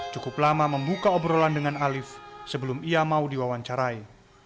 cukup lama membuka obrolan dengan alif sebelum ia mau diwawancarai